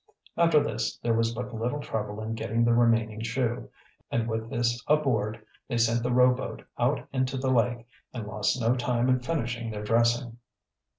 After this there was but little trouble in getting the remaining shoe, and with this aboard they sent the rowboat out into the lake and lost no time in finishing their dressing.